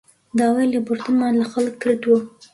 داوای لێبوردنمان لە خەڵک کردووە